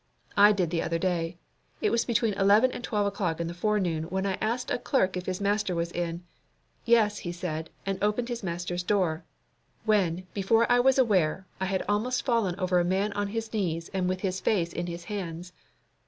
I did the other day. It was between eleven and twelve o'clock in the forenoon when I asked a clerk if his master was in. Yes, he said, and opened his master's door. When, before I was aware, I had almost fallen over a man on his knees and with his face in his hands.